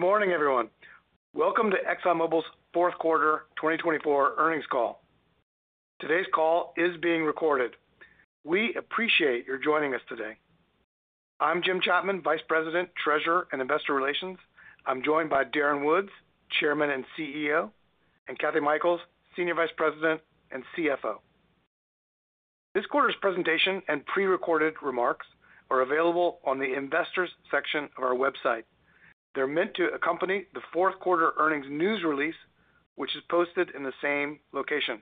Good morning, everyone. Welcome to ExxonMobil's Q4 2024 earnings call. Today's call is being recorded. We appreciate your joining us today. I'm Jim Chapman, Vice President, Treasurer, and Investor Relations. I'm joined by Darren Woods, Chairman and CEO, and Kathy Mikells, Senior Vice President and CFO. This quarter's presentation and prerecorded remarks are available on the Investors section of our website. They're meant to accompany the fourth quarter earnings news release, which is posted in the same location.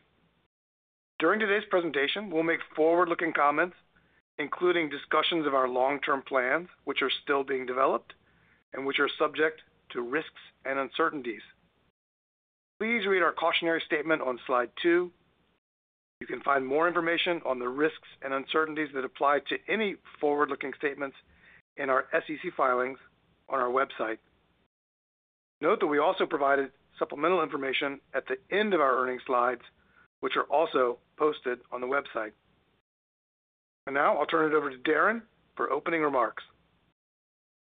During today's presentation, we'll make forward-looking comments, including discussions of our long-term plans, which are still being developed and which are subject to risks and uncertainties. Please read our cautionary statement on slide two. You can find more information on the risks and uncertainties that apply to any forward-looking statements in our SEC filings on our website. Note that we also provided supplemental information at the end of our earnings slides, which are also posted on the website, and now I'll turn it over to Darren for opening remarks.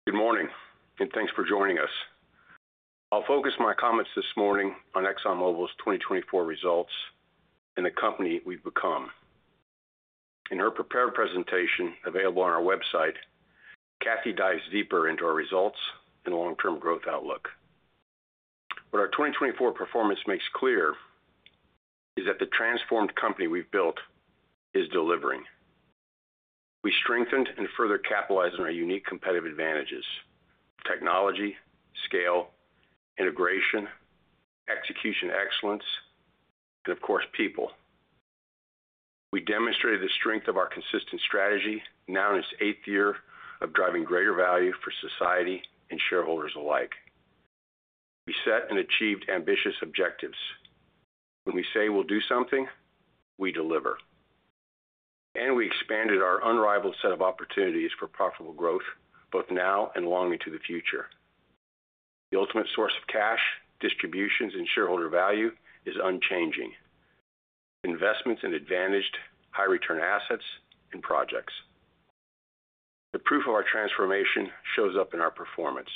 Good morning, and thanks for joining us. I'll focus my comments this morning on ExxonMobil's 2024 results and the company we've become. In her prepared presentation available on our website, Kathy dives deeper into our results and long-term growth outlook. What our 2024 performance makes clear is that the transformed company we've built is delivering. We strengthened and further capitalized on our unique competitive advantages: technology, scale, integration, execution excellence, and of course, people. We demonstrated the strength of our consistent strategy now in its eighth year of driving greater value for society and shareholders alike. We set and achieved ambitious objectives. When we say we'll do something, we deliver. And we expanded our unrivaled set of opportunities for profitable growth both now and long into the future. The ultimate source of cash, distributions, and shareholder value is unchanging: investments in advantaged, high-return assets and projects. The proof of our transformation shows up in our performance.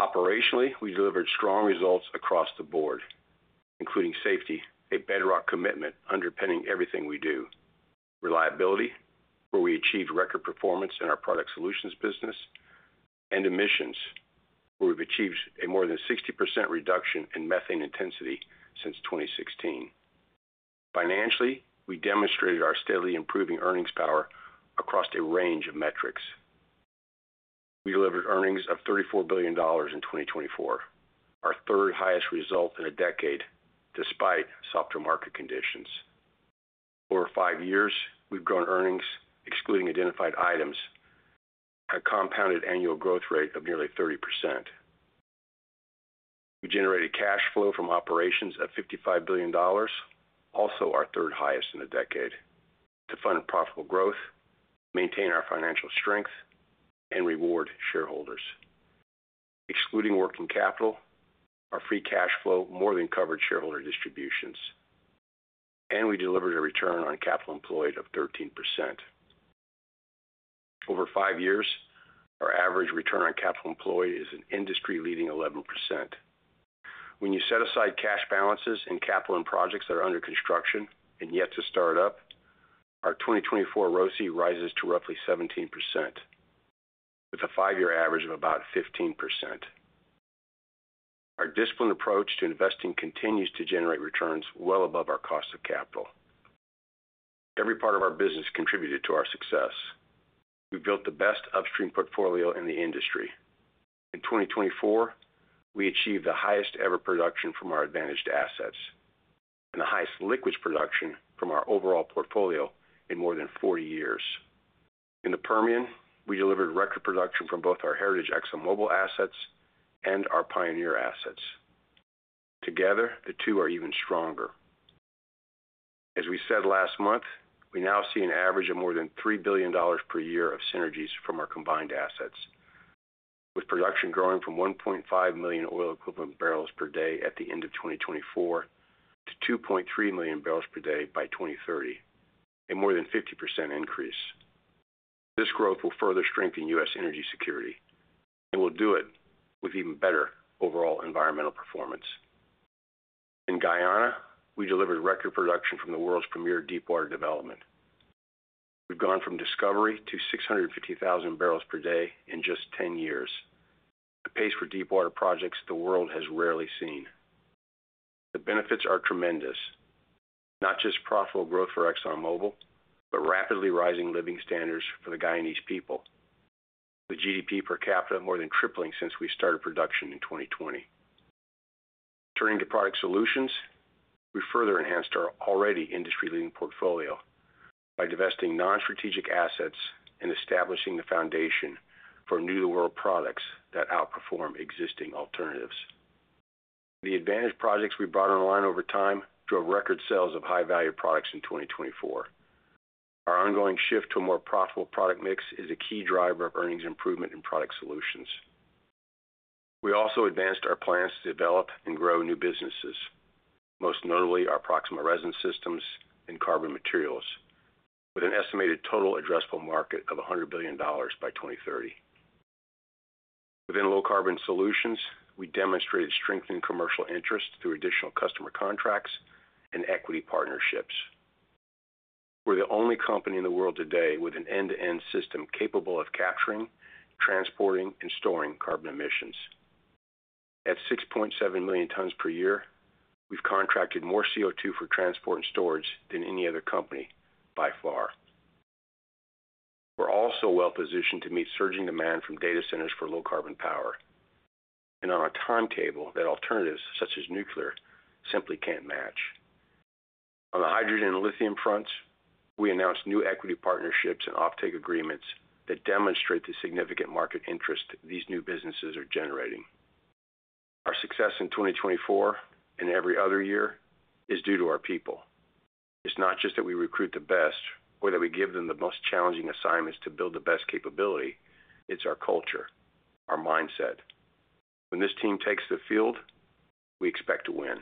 Operationally, we delivered strong results across the board, including safety, a bedrock commitment underpinning everything we do, reliability, where we achieved record performance in our Product Solutions business, and emissions, where we've achieved a more than 60% reduction in methane intensity since 2016. Financially, we demonstrated our steadily improving earnings power across a range of metrics. We delivered earnings of $34 billion in 2024, our third-highest result in a decade despite softer market conditions. Over five years, we've grown earnings, excluding identified items, at a compounded annual growth rate of nearly 30%. We generated cash flow from operations of $55 billion, also our third-highest in a decade, to fund profitable growth, maintain our financial strength, and reward shareholders. Excluding working capital, our free cash flow more than covered shareholder distributions, and we delivered a return on capital employed of 13%. Over five years, our average return on capital employed is an industry-leading 11%. When you set aside cash balances in capital and projects that are under construction and yet to start up, our 2024 ROCE rises to roughly 17%, with a five-year average of about 15%. Our disciplined approach to investing continues to generate returns well above our cost of capital. Every part of our business contributed to our success. We built the best upstream portfolio in the industry. In 2024, we achieved the highest-ever production from our advantaged assets and the highest liquid production from our overall portfolio in more than 40 years. In the Permian, we delivered record production from both our heritage ExxonMobil assets and our Pioneer assets. Together, the two are even stronger. As we said last month, we now see an average of more than $3 billion per year of synergies from our combined assets, with production growing from 1.5 million oil-equivalent barrels per day at the end of 2024 to 2.3 million barrels per day by 2030, a more than 50% increase. This growth will further strengthen U.S. energy security, and we'll do it with even better overall environmental performance. In Guyana, we delivered record production from the world's premier deep-water development. We've gone from discovery to 650,000 barrels per day in just 10 years, a pace for deep-water projects the world has rarely seen. The benefits are tremendous, not just profitable growth for ExxonMobil, but rapidly rising living standards for the Guyanese people, with GDP per capita more than tripling since we started production in 2020. Turning to Product Solutions, we further enhanced our already industry-leading portfolio by divesting non-strategic assets and establishing the foundation for new-to-the-world products that outperform existing alternatives. The advantage projects we brought online over time drove record sales of high-value products in 2024. Our ongoing shift to a more profitable product mix is a key driver of earnings improvement in Product Solutions. We also advanced our plans to develop and grow new businesses, most notably our Proxxima resin systems and carbon materials, with an estimated total addressable market of $100 billion by 2030. Within Low Carbon Solutions, we demonstrated strengthened commercial interest through additional customer contracts and equity partnerships. We're the only company in the world today with an end-to-end system capable of capturing, transporting, and storing carbon emissions. At 6.7 million tons per year, we've contracted more CO2 for transport and storage than any other company by far. We're also well-positioned to meet surging demand from data centers for low-carbon power, and on a timetable that alternatives such as nuclear simply can't match. On the hydrogen and lithium fronts, we announced new equity partnerships and offtake agreements that demonstrate the significant market interest these new businesses are generating. Our success in 2024, and every other year, is due to our people. It's not just that we recruit the best or that we give them the most challenging assignments to build the best capability; it's our culture, our mindset. When this team takes the field, we expect to win.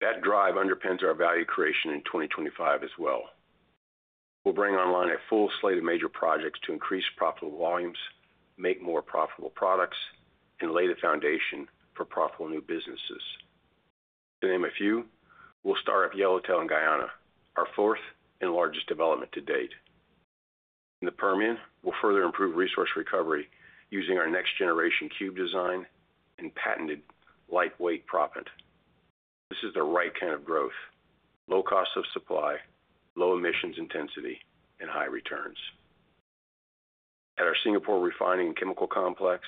That drive underpins our value creation in 2025 as well. We'll bring online a full slate of major projects to increase profitable volumes, make more profitable products, and lay the foundation for profitable new businesses. To name a few, we'll start at Yellowtail in Guyana, our fourth and largest development to date. In the Permian, we'll further improve resource recovery using our next-generation Cube design and patented lightweight proppant. This is the right kind of growth: low cost of supply, low emissions intensity, and high returns. At our Singapore refining and chemical complex,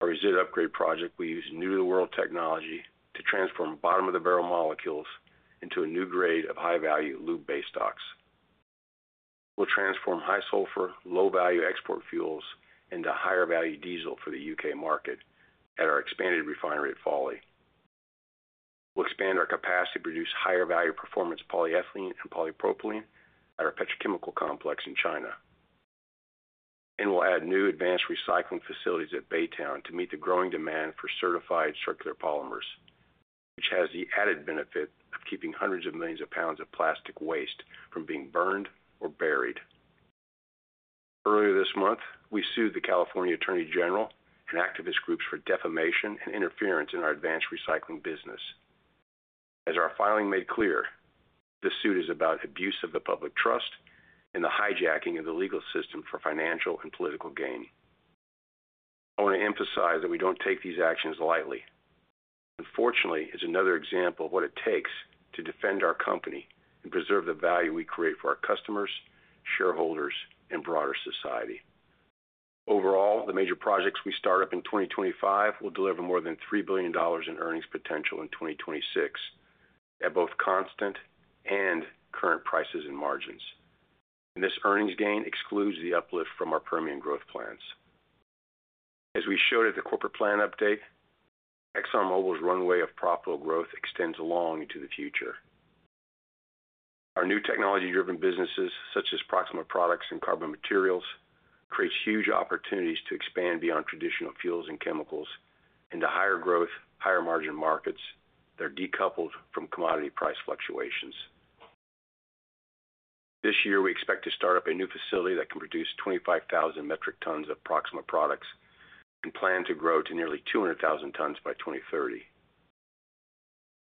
our residual upgrade project, we use new-to-the-world technology to transform bottom-of-the-barrel molecules into a new grade of high-value lube-based stocks. We'll transform high-sulfur, low-value export fuels into higher-value diesel for the U.K. market at our expanded refinery at Fawley. We'll expand our capacity to produce higher-value performance polyethylene and polypropylene at our petrochemical complex in China. We'll add new advanced recycling facilities at Baytown to meet the growing demand for certified circular polymers, which has the added benefit of keeping hundreds of millions of pounds of plastic waste from being burned or buried. Earlier this month, we sued the California Attorney General and activist groups for defamation and interference in our advanced recycling business. As our filing made clear, this suit is about abuse of the public trust and the hijacking of the legal system for financial and political gain. I want to emphasize that we don't take these actions lightly. Unfortunately, it's another example of what it takes to defend our company and preserve the value we create for our customers, shareholders, and broader society. Overall, the major projects we start up in 2025 will deliver more than $3 billion in earnings potential in 2026 at both constant and current prices and margins. This earnings gain excludes the uplift from our Permian growth plans. As we showed at the corporate plan update, ExxonMobil's runway of profitable growth extends long into the future. Our new technology-driven businesses, such as Proxxima products and carbon materials, create huge opportunities to expand beyond traditional fuels and chemicals into higher-growth, higher-margin markets that are decoupled from commodity price fluctuations. This year, we expect to start up a new facility that can produce 25,000 metric tons of Proxxima products and plan to grow to nearly 200,000 tons by 2030.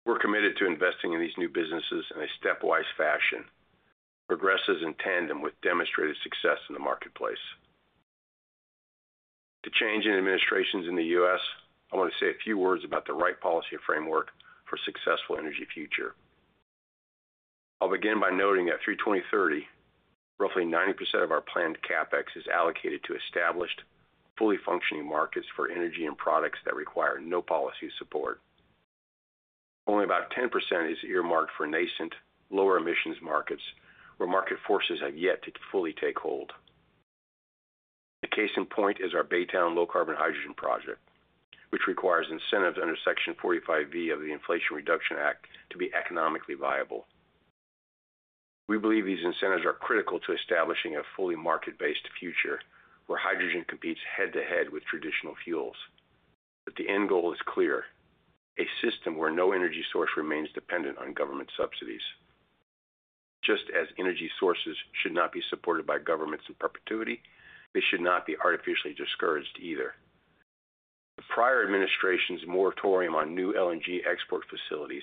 We're committed to investing in these new businesses in a stepwise fashion, progressing in tandem with demonstrated success in the marketplace. With the change in administrations in the U.S., I want to say a few words about the right policy framework for a successful energy future. I'll begin by noting that through 2030, roughly 90% of our planned CapEx is allocated to established, fully functioning markets for energy and products that require no policy support. Only about 10% is earmarked for nascent, lower-emissions markets where market forces have yet to fully take hold. A case in point is our Baytown low-carbon hydrogen project, which requires incentives under Section 45V of the Inflation Reduction Act to be economically viable. We believe these incentives are critical to establishing a fully market-based future where hydrogen competes head-to-head with traditional fuels. But the end goal is clear: a system where no energy source remains dependent on government subsidies. Just as energy sources should not be supported by governments in perpetuity, they should not be artificially discouraged either. The prior administration's moratorium on new LNG export facilities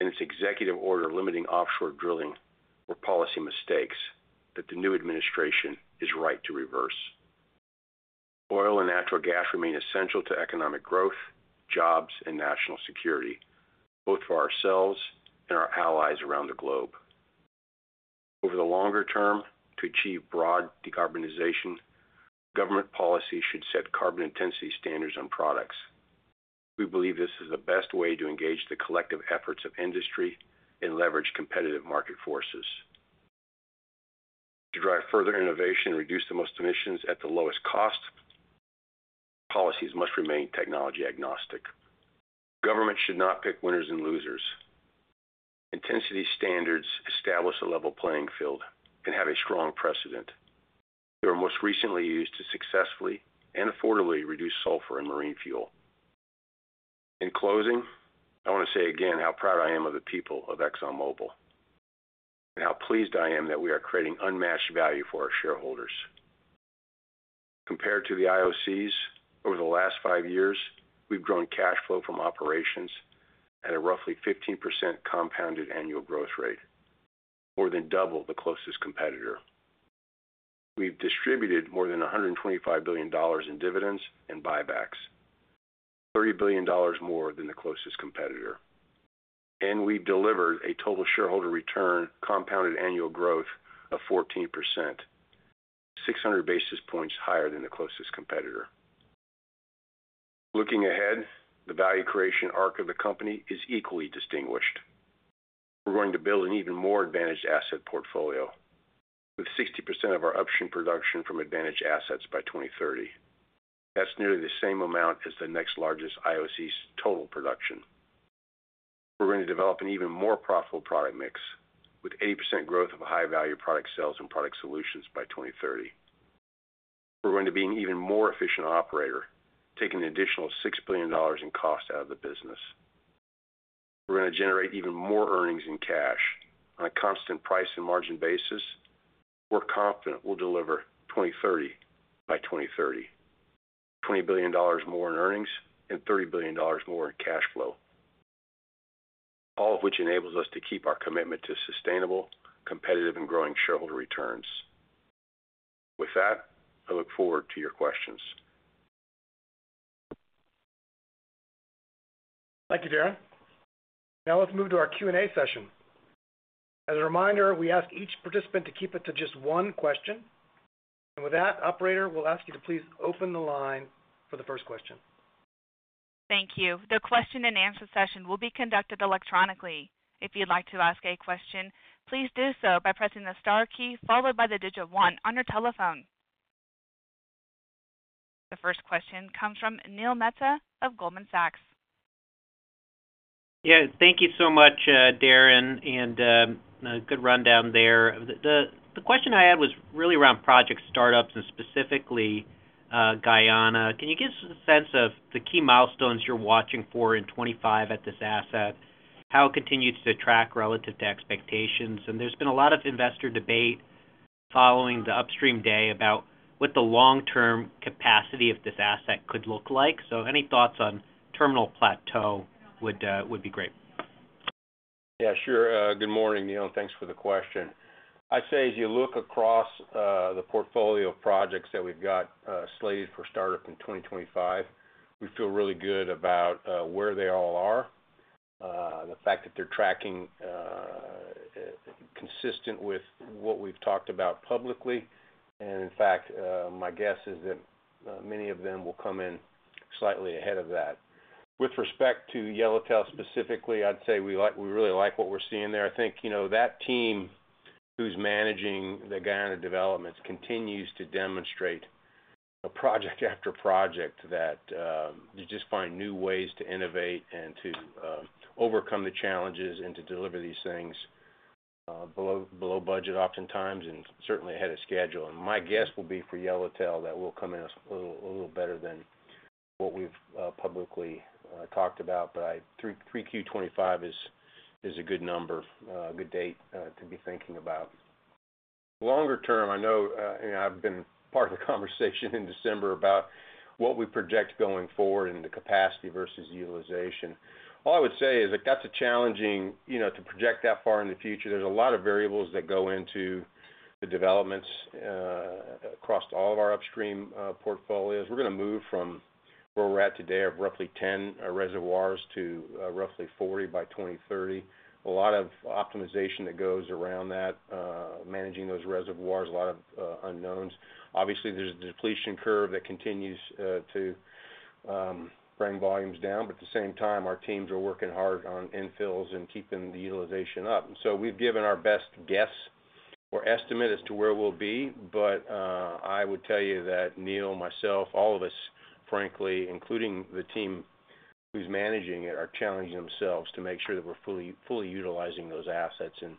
and its executive order limiting offshore drilling were policy mistakes that the new administration is right to reverse. Oil and natural gas remain essential to economic growth, jobs, and national security, both for ourselves and our allies around the globe. Over the longer term, to achieve broad decarbonization, government policy should set carbon intensity standards on products. We believe this is the best way to engage the collective efforts of industry and leverage competitive market forces. To drive further innovation and reduce the most emissions at the lowest cost, our policies must remain technology-agnostic. Government should not pick winners and losers. Intensity standards establish a level playing field and have a strong precedent. They were most recently used to successfully and affordably reduce sulfur in marine fuel. In closing, I want to say again how proud I am of the people of ExxonMobil and how pleased I am that we are creating unmatched value for our shareholders. Compared to the IOCs, over the last five years, we've grown cash flow from operations at a roughly 15% compounded annual growth rate, more than double the closest competitor. We've distributed more than $125 billion in dividends and buybacks, $30 billion more than the closest competitor. And we delivered a total shareholder return compounded annual growth of 14%, 600 basis points higher than the closest competitor. Looking ahead, the value creation arc of the company is equally distinguished. We're going to build an even more advantaged asset portfolio with 60% of our upstream production from advantaged assets by 2030. That's nearly the same amount as the next largest IOC's total production. We're going to develop an even more profitable product mix with 80% growth of high-value product sales and Product Solutions by 2030. We're going to be an even more efficient operator, taking an additional $6 billion in cost out of the business. We're going to generate even more earnings in cash on a constant price and margin basis, and we're confident we'll deliver 2030 by 2030, $20 billion more in earnings and $30 billion more in cash flow, all of which enables us to keep our commitment to sustainable, competitive, and growing shareholder returns. With that, I look forward to your questions. Thank you, Darren. Now let's move to our Q&A session. As a reminder, we ask each participant to keep it to just one question. And with that, Operator, we'll ask you to please open the line for the first question. Thank you. The question-and-answer session will be conducted electronically. If you'd like to ask a question, please do so by pressing the star key followed by the digit one on your telephone. The first question comes from Neil Mehta of Goldman Sachs. Yeah, thank you so much, Darren, and a good rundown there. The question I had was really around project startups and specifically Guyana. Can you give us a sense of the key milestones you're watching for in 2025 at this asset? How it continues to track relative to expectations? And there's been a lot of investor debate following the upstream day about what the long-term capacity of this asset could look like. So any thoughts on terminal plateau would be great. Yeah, sure. Good morning, Neil. Thanks for the question. I'd say as you look across the portfolio of projects that we've got slated for startup in 2025, we feel really good about where they all are, the fact that they're tracking consistent with what we've talked about publicly. And in fact, my guess is that many of them will come in slightly ahead of that. With respect to Yellowtail specifically, I'd say we really like what we're seeing there. I think that team who's managing the Guyana developments continues to demonstrate a project after project that they just find new ways to innovate and to overcome the challenges and to deliver these things below budget oftentimes and certainly ahead of schedule. And my guess will be for Yellowtail that we'll come in a little better than what we've publicly talked about. 3Q 2025 is a good number, a good date to be thinking about. Longer term, I know I've been part of the conversation in December about what we project going forward and the capacity versus utilization. All I would say is that's challenging to project that far in the future. There's a lot of variables that go into the developments across all of our upstream portfolios. We're going to move from where we're at today of roughly 10 reservoirs to roughly 40 by 2030. A lot of optimization that goes around that, managing those reservoirs, a lot of unknowns. Obviously, there's a depletion curve that continues to bring volumes down. But at the same time, our teams are working hard on infills and keeping the utilization up. And so we've given our best guess or estimate as to where we'll be. But I would tell you that Neil, myself, all of us, frankly, including the team who's managing it, are challenging themselves to make sure that we're fully utilizing those assets. And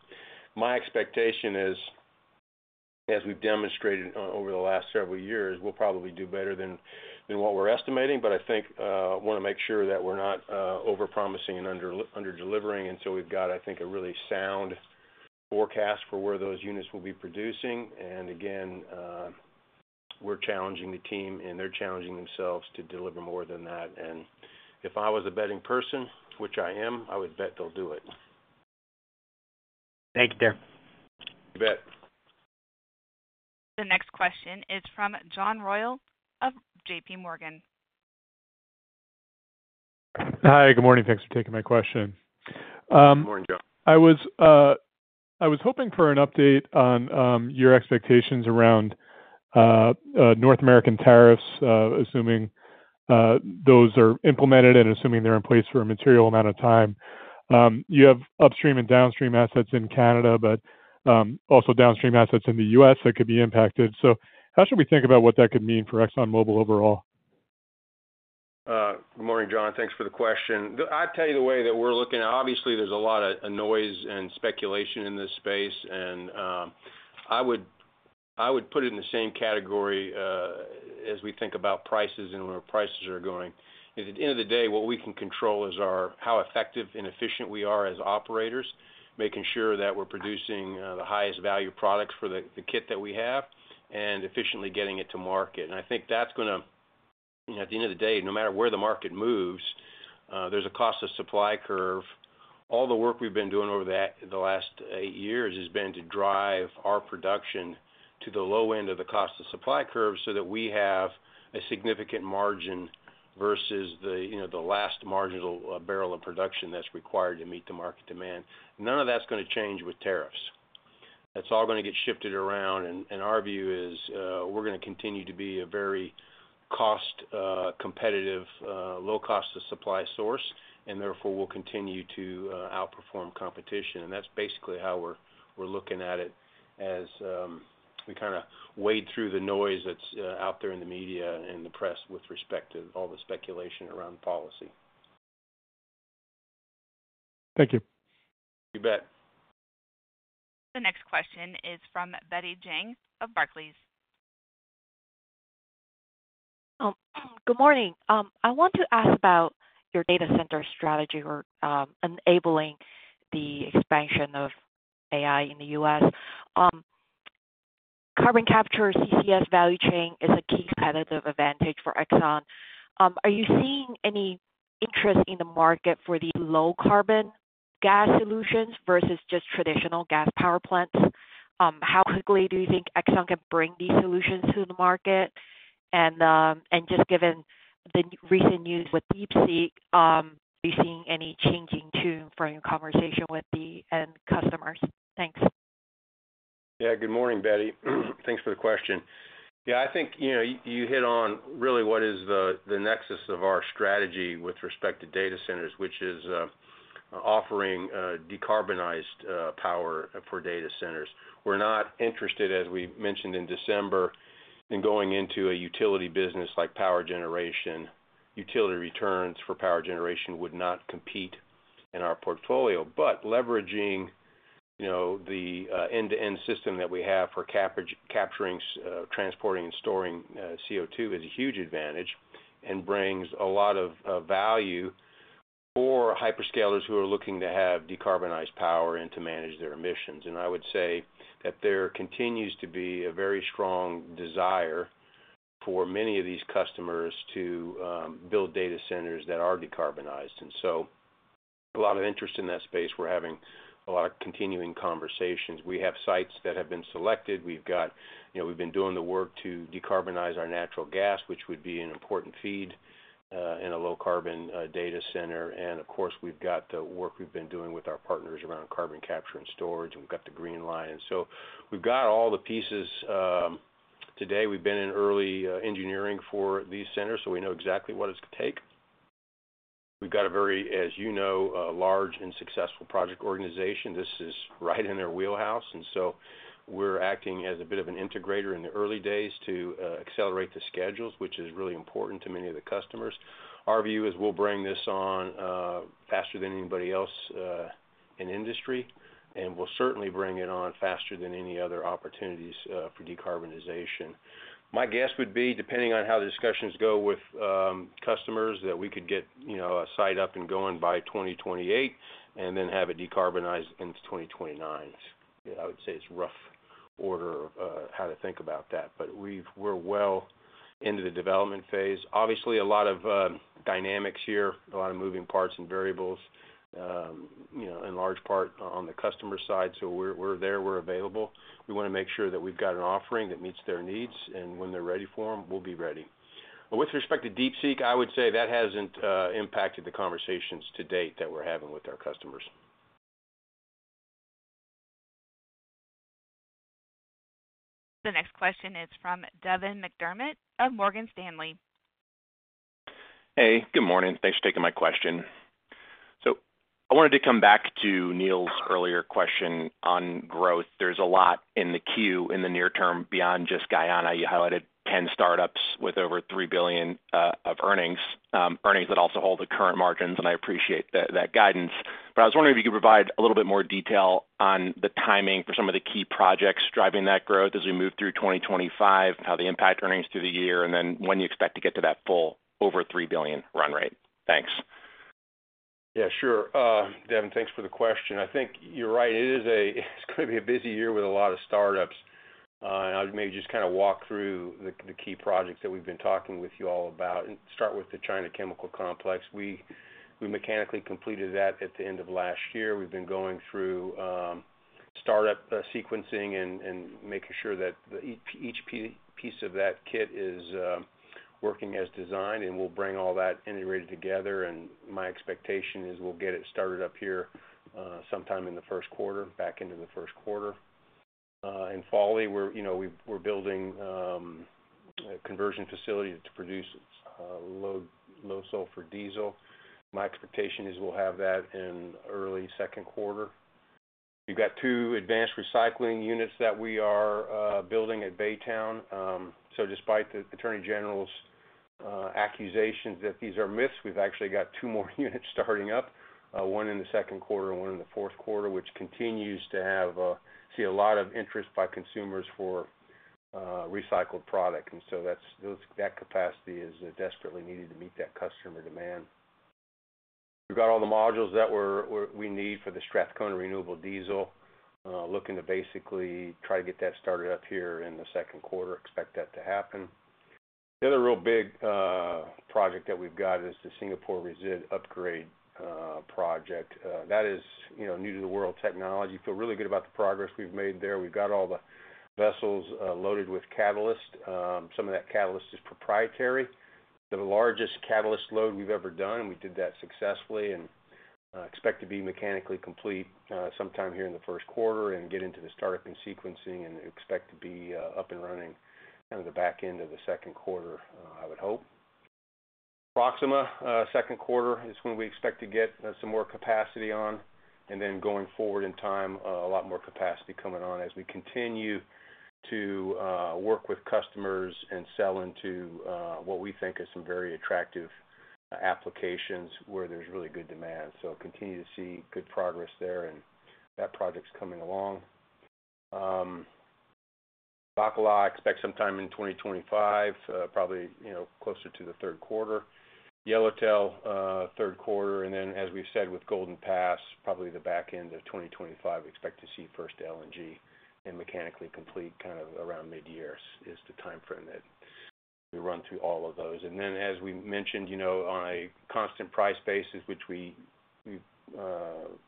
my expectation is, as we've demonstrated over the last several years, we'll probably do better than what we're estimating. But I think I want to make sure that we're not overpromising and under-delivering until we've got, I think, a really sound forecast for where those units will be producing. And again, we're challenging the team and they're challenging themselves to deliver more than that. And if I was a betting person, which I am, I would bet they'll do it. Thank you, Darren. You bet. The next question is from John Royall of JPMorgan. Hi, good morning. Thanks for taking my question. Good morning, John. I was hoping for an update on your expectations around North American tariffs, assuming those are implemented and assuming they're in place for a material amount of time. You have upstream and downstream assets in Canada, but also downstream assets in the U.S. that could be impacted. So how should we think about what that could mean for ExxonMobil overall? Good morning, John. Thanks for the question. I'd tell you the way that we're looking at. Obviously, there's a lot of noise and speculation in this space, and I would put it in the same category as we think about prices and where prices are going. At the end of the day, what we can control is how effective and efficient we are as operators, making sure that we're producing the highest value products for the kit that we have and efficiently getting it to market, and I think that's going to, at the end of the day, no matter where the market moves, there's a cost of supply curve. All the work we've been doing over the last eight years has been to drive our production to the low end of the cost of supply curve so that we have a significant margin versus the last marginal barrel of production that's required to meet the market demand. None of that's going to change with tariffs. That's all going to get shifted around. And our view is we're going to continue to be a very cost-competitive, low cost of supply source, and therefore we'll continue to outperform competition. And that's basically how we're looking at it as we kind of wade through the noise that's out there in the media and the press with respect to all the speculation around policy. Thank you. You bet. The next question is from Betty Jiang of Barclays. Good morning. I want to ask about your data center strategy for enabling the expansion of AI in the U.S. Carbon capture, CCS value chain is a key competitive advantage for Exxon. Are you seeing any interest in the market for the low carbon gas solutions versus just traditional gas power plants? How quickly do you think Exxon can bring these solutions to the market? And just given the recent news with DeepSeek, are you seeing any changing tune from your conversation with the end customers? Thanks. Yeah, good morning, Betty. Thanks for the question. Yeah, I think you hit on really what is the nexus of our strategy with respect to data centers, which is offering decarbonized power for data centers. We're not interested, as we mentioned in December, in going into a utility business like power generation. Utility returns for power generation would not compete in our portfolio. But leveraging the end-to-end system that we have for capturing, transporting, and storing CO2 is a huge advantage and brings a lot of value for hyperscalers who are looking to have decarbonized power and to manage their emissions. And I would say that there continues to be a very strong desire for many of these customers to build data centers that are decarbonized. And so a lot of interest in that space. We're having a lot of continuing conversations. We have sites that have been selected. We've been doing the work to decarbonize our natural gas, which would be an important feed in a low carbon data center. And of course, we've got the work we've been doing with our partners around carbon capture and storage. We've got the Green Line. And so we've got all the pieces. Today, we've been in early engineering for these centers, so we know exactly what it's going to take. We've got a very, as you know, large and successful project organization. This is right in their wheelhouse. And so we're acting as a bit of an integrator in the early days to accelerate the schedules, which is really important to many of the customers. Our view is we'll bring this on faster than anybody else in industry, and we'll certainly bring it on faster than any other opportunities for decarbonization. My guess would be, depending on how the discussions go with customers, that we could get a site up and going by 2028 and then have it decarbonized in 2029. I would say it's a rough order of how to think about that. But we're well into the development phase. Obviously, a lot of dynamics here, a lot of moving parts and variables in large part on the customer side. So we're there. We're available. We want to make sure that we've got an offering that meets their needs. And when they're ready for them, we'll be ready. With respect to DeepSeek, I would say that hasn't impacted the conversations to date that we're having with our customers. The next question is from Devin McDermott of Morgan Stanley. Hey, good morning. Thanks for taking my question. So I wanted to come back to Neil's earlier question on growth. There's a lot in the queue in the near term beyond just Guyana. You highlighted 10 startups with over $3 billion of earnings, earnings that also hold the current margins. And I appreciate that guidance. But I was wondering if you could provide a little bit more detail on the timing for some of the key projects driving that growth as we move through 2025, how they impact earnings through the year, and then when you expect to get to that full over $3 billion run rate. Thanks. Yeah, sure. Devin, thanks for the question. I think you're right. It's going to be a busy year with a lot of startups. And I'd maybe just kind of walk through the key projects that we've been talking with you all about and start with the China chemical complex. We mechanically completed that at the end of last year. We've been going through startup sequencing and making sure that each piece of that kit is working as designed. And we'll bring all that integrated together. And my expectation is we'll get it started up here sometime in the first quarter, back into the first quarter. In Fawley, we're building a conversion facility to produce low sulfur diesel. My expectation is we'll have that in early second quarter. We've got two advanced recycling units that we are building at Baytown. So despite the Attorney General's accusations that these are myths, we've actually got two more units starting up, one in the second quarter and one in the fourth quarter, which continues to see a lot of interest by consumers for recycled product. And so that capacity is desperately needed to meet that customer demand. We've got all the modules that we need for the Strathcona renewable diesel. Looking to basically try to get that started up here in the second quarter, expect that to happen. The other real big project that we've got is the Singapore Resid Upgrade Project. That is new to the world technology. Feel really good about the progress we've made there. We've got all the vessels loaded with catalyst. Some of that catalyst is proprietary. The largest catalyst load we've ever done. We did that successfully and expect to be mechanically complete sometime here in the first quarter and get into the startup and sequencing and expect to be up and running kind of the back end of the second quarter, I would hope. Proxxima, second quarter is when we expect to get some more capacity on. And then going forward in time, a lot more capacity coming on as we continue to work with customers and sell into what we think are some very attractive applications where there's really good demand. So continue to see good progress there. And that project's coming along. Bacalhau, expect sometime in 2025, probably closer to the third quarter. Yellowtail, third quarter. And then, as we've said with Golden Pass, probably the back end of 2025, expect to see first LNG and mechanically complete kind of around mid-year is the timeframe that we run through all of those. And then, as we mentioned, on a constant price basis, which we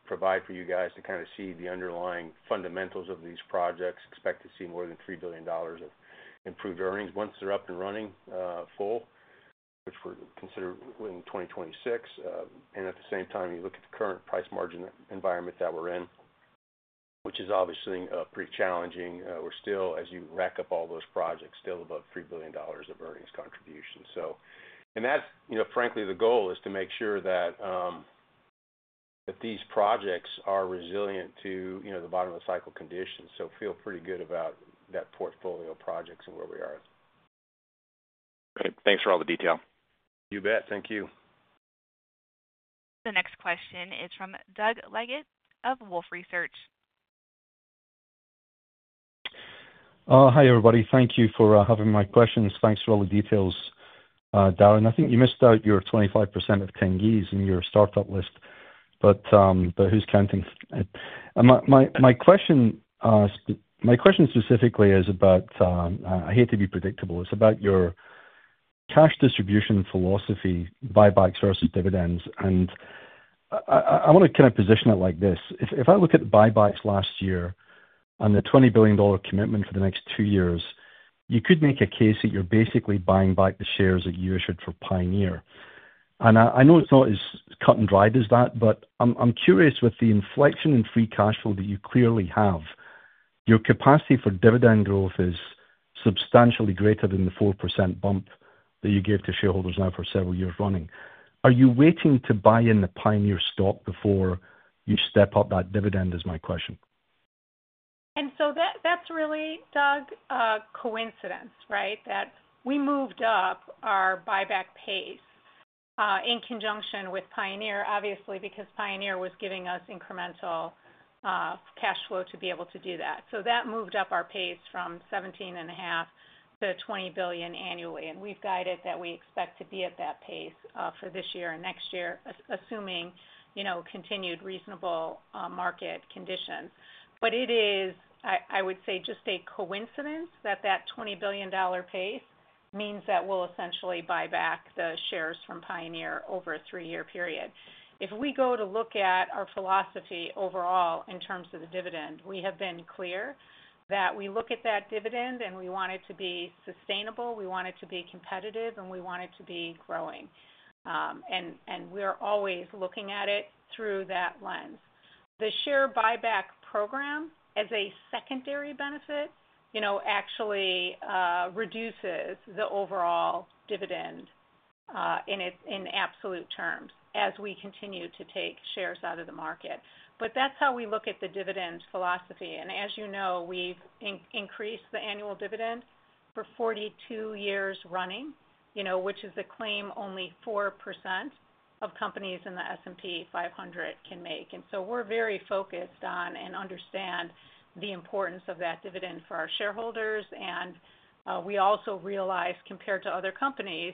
provide for you guys to kind of see the underlying fundamentals of these projects, expect to see more than $3 billion of improved earnings once they're up and running full, which we're considering in 2026. And at the same time, you look at the current price margin environment that we're in, which is obviously pretty challenging. We're still, as you rack up all those projects, still above $3 billion of earnings contribution. And that's, frankly, the goal is to make sure that these projects are resilient to the bottom-of-the-cycle conditions. So feel pretty good about that portfolio of projects and where we are. Great. Thanks for all the detail. You bet. Thank you. The next question is from Doug Leggate of Wolfe Research. Hi everybody. Thank you for having my questions. Thanks for all the details, Darren. I think you missed out your 25% of Tengiz in your startup list, but who's counting? My question specifically is about. I hate to be predictable. It's about your cash distribution philosophy, buybacks versus dividends, and I want to kind of position it like this. If I look at the buybacks last year and the $20 billion commitment for the next two years, you could make a case that you're basically buying back the shares that you issued for Pioneer, and I know it's not as cut and dried as that, but I'm curious with the inflection in free cash flow that you clearly have, your capacity for dividend growth is substantially greater than the 4% bump that you gave to shareholders now for several years running. Are you waiting to buy in the Pioneer stock before you step up that dividend is my question? That's really, Doug, a coincidence, right? That we moved up our buyback pace in conjunction with Pioneer, obviously, because Pioneer was giving us incremental cash flow to be able to do that. So that moved up our pace from $17.5 billion-$20 billion annually. We've guided that we expect to be at that pace for this year and next year, assuming continued reasonable market conditions. But it is, I would say, just a coincidence that that $20 billion pace means that we'll essentially buy back the shares from Pioneer over a three-year period. If we go to look at our philosophy overall in terms of the dividend, we have been clear that we look at that dividend and we want it to be sustainable, we want it to be competitive, and we want it to be growing. We're always looking at it through that lens. The share buyback program, as a secondary benefit, actually reduces the overall dividend in absolute terms as we continue to take shares out of the market. But that's how we look at the dividend philosophy. And as you know, we've increased the annual dividend for 42 years running, which is the claim only 4% of companies in the S&P 500 can make. And so we're very focused on and understand the importance of that dividend for our shareholders. And we also realize, compared to other companies,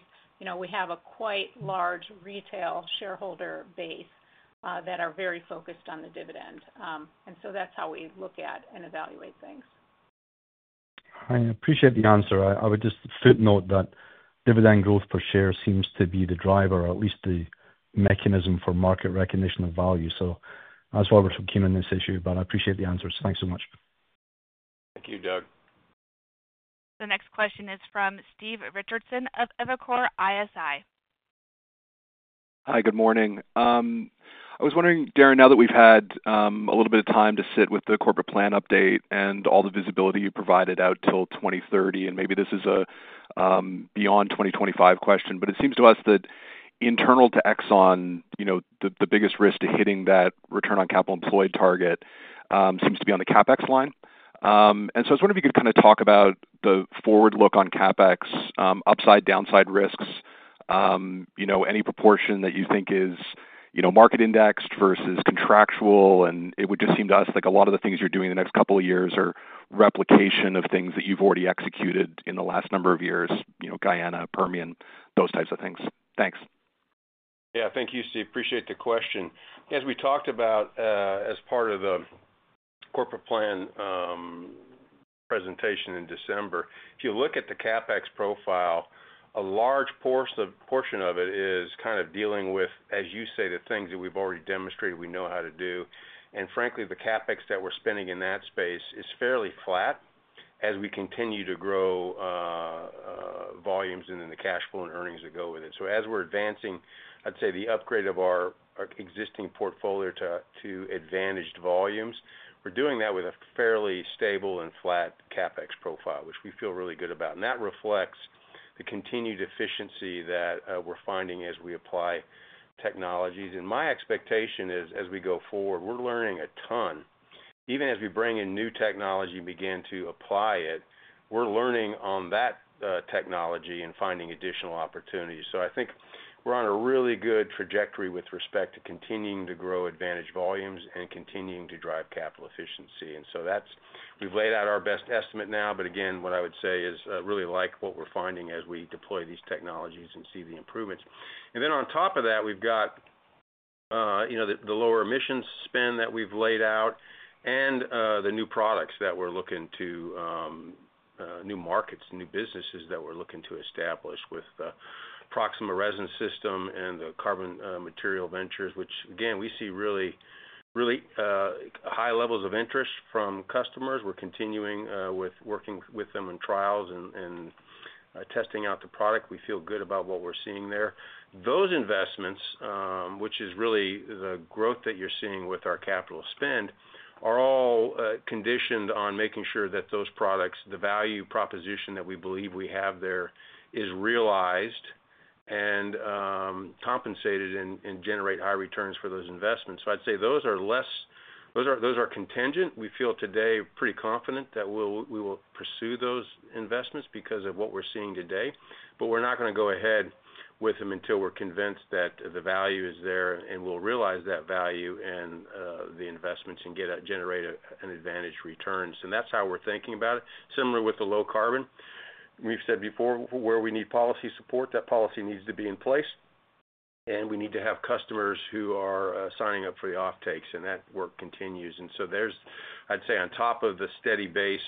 we have a quite large retail shareholder base that are very focused on the dividend. And so that's how we look at and evaluate things. I appreciate the answer. I would just footnote that dividend growth per share seems to be the driver, or at least the mechanism for market recognition of value. So that's why we're looking on this issue. But I appreciate the answers. Thanks so much. Thank you, Doug. The next question is from Stephen Richardson of Evercore ISI. Hi, good morning. I was wondering, Darren, now that we've had a little bit of time to sit with the corporate plan update and all the visibility you provided out till 2030, and maybe this is a beyond 2025 question, but it seems to us that internal to Exxon, the biggest risk to hitting that return on capital employed target seems to be on the CapEx line. And so I was wondering if you could kind of talk about the forward look on CapEx, upside, downside risks, any proportion that you think is market indexed versus contractual. And it would just seem to us like a lot of the things you're doing the next couple of years are replication of things that you've already executed in the last number of years, Guyana, Permian, those types of things. Thanks. Yeah, thank you, Steve. Appreciate the question. As we talked about as part of the corporate plan presentation in December, if you look at the CapEx profile, a large portion of it is kind of dealing with, as you say, the things that we've already demonstrated we know how to do. And frankly, the CapEx that we're spending in that space is fairly flat as we continue to grow volumes and then the cash flow and earnings that go with it. So as we're advancing, I'd say the upgrade of our existing portfolio to advantaged volumes, we're doing that with a fairly stable and flat CapEx profile, which we feel really good about. And that reflects the continued efficiency that we're finding as we apply technologies. And my expectation is, as we go forward, we're learning a ton. Even as we bring in new technology and begin to apply it, we're learning on that technology and finding additional opportunities. So I think we're on a really good trajectory with respect to continuing to grow advantaged volumes and continuing to drive capital efficiency. And so we've laid out our best estimate now. But again, what I would say is really like what we're finding as we deploy these technologies and see the improvements. And then on top of that, we've got the lower emissions spend that we've laid out and the new products that we're looking to, new markets, new businesses that we're looking to establish with the Proxxima resin system and the carbon materials ventures, which, again, we see really high levels of interest from customers. We're continuing with working with them in trials and testing out the product. We feel good about what we're seeing there. Those investments, which is really the growth that you're seeing with our capital spend, are all conditioned on making sure that those products, the value proposition that we believe we have there is realized and compensated and generate high returns for those investments. So I'd say those are contingent. We feel today pretty confident that we will pursue those investments because of what we're seeing today. But we're not going to go ahead with them until we're convinced that the value is there and we'll realize that value and the investments and generate an advantage return. So that's how we're thinking about it. Similar with the low carbon, we've said before where we need policy support, that policy needs to be in place. And we need to have customers who are signing up for the offtakes. And that work continues. So there's, I'd say, on top of the steady base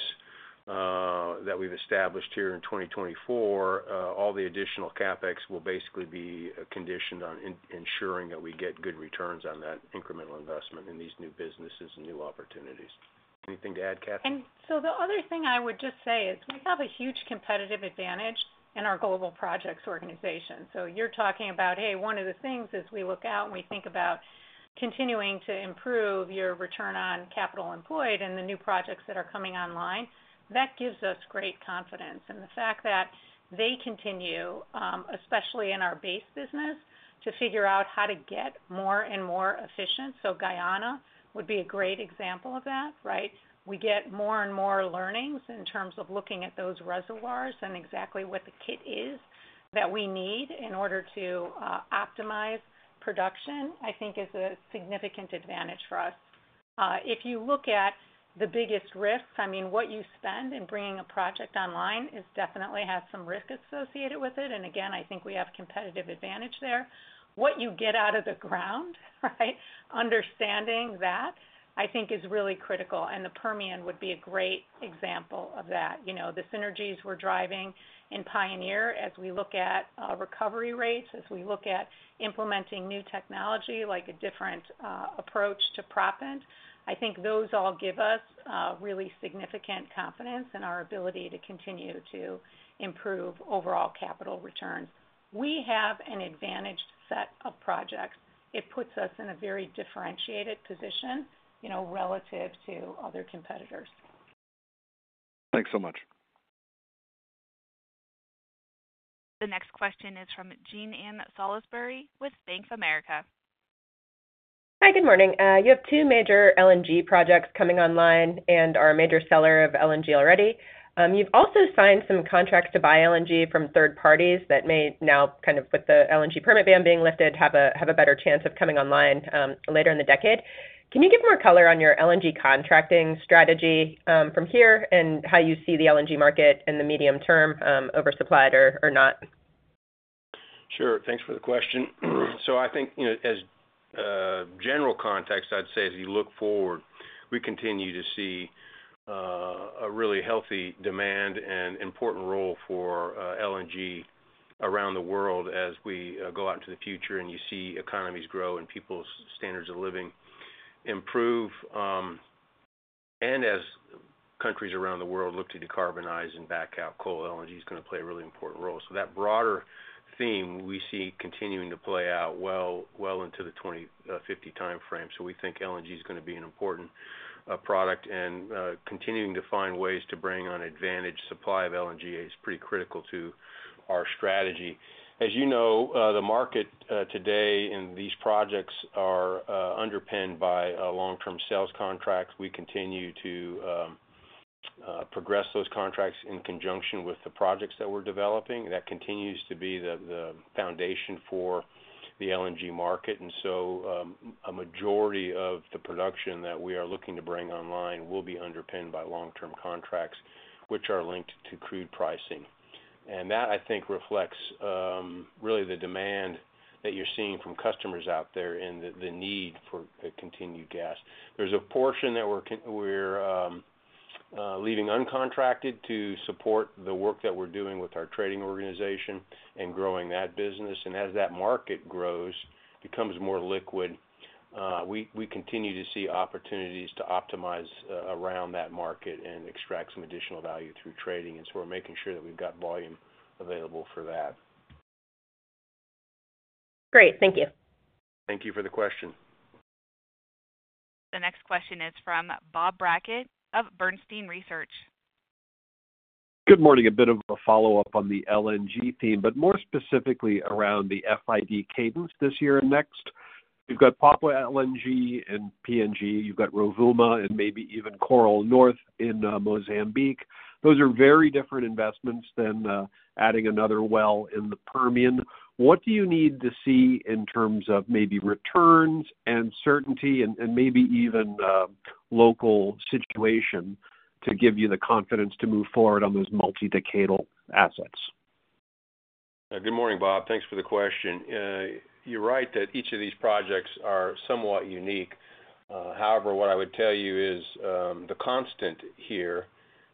that we've established here in 2024, all the additional CapEx will basically be conditioned on ensuring that we get good returns on that incremental investment in these new businesses and new opportunities. Anything to add, Kathy? And so the other thing I would just say is we have a huge competitive advantage in our global projects organization. So you're talking about, hey, one of the things is we look out and we think about continuing to improve your return on capital employed and the new projects that are coming online. That gives us great confidence. And the fact that they continue, especially in our base business, to figure out how to get more and more efficient. So Guyana would be a great example of that, right? We get more and more learnings in terms of looking at those reservoirs and exactly what the kit is that we need in order to optimize production, I think, is a significant advantage for us. If you look at the biggest risks, I mean, what you spend in bringing a project online definitely has some risk associated with it. Again, I think we have competitive advantage there. What you get out of the ground, right, understanding that, I think, is really critical. The Permian would be a great example of that. The synergies we're driving in Pioneer as we look at recovery rates, as we look at implementing new technology like a different approach to proppant, I think those all give us really significant confidence in our ability to continue to improve overall capital returns. We have an advantaged set of projects. It puts us in a very differentiated position relative to other competitors. Thanks so much. The next question is from Jean Ann Salisbury with Bank of America. Hi, good morning. You have two major LNG projects coming online and are a major seller of LNG already. You've also signed some contracts to buy LNG from third parties that may now, kind of with the LNG permit ban being lifted, have a better chance of coming online later in the decade. Can you give more color on your LNG contracting strategy from here and how you see the LNG market in the medium term oversupplied or not? Sure. Thanks for the question. So I think, as general context, I'd say, as we look forward, we continue to see a really healthy demand and important role for LNG around the world as we go out into the future and you see economies grow and people's standards of living improve. And as countries around the world look to decarbonize and back out coal, LNG is going to play a really important role. So that broader theme we see continuing to play out well into the 2050 timeframe. So we think LNG is going to be an important product. And continuing to find ways to bring on advantage supply of LNG is pretty critical to our strategy. As you know, the market today in these projects is underpinned by long-term sales contracts. We continue to progress those contracts in conjunction with the projects that we're developing. That continues to be the foundation for the LNG market. And so a majority of the production that we are looking to bring online will be underpinned by long-term contracts, which are linked to crude pricing. And that, I think, reflects really the demand that you're seeing from customers out there and the need for continued gas. There's a portion that we're leaving uncontracted to support the work that we're doing with our trading organization and growing that business. And as that market grows, becomes more liquid, we continue to see opportunities to optimize around that market and extract some additional value through trading. And so we're making sure that we've got volume available for that. Great. Thank you. Thank you for the question. The next question is from Bob Brackett of Bernstein Research. Good morning. A bit of a follow-up on the LNG theme, but more specifically around the FID cadence this year and next. You've got Papua LNG and PNG. You've got Rovuma and maybe even Coral North in Mozambique. Those are very different investments than adding another well in the Permian. What do you need to see in terms of maybe returns and certainty and maybe even local situation to give you the confidence to move forward on those multi-decadal assets? Good morning, Bob. Thanks for the question. You're right that each of these projects are somewhat unique. However, what I would tell you is the constant here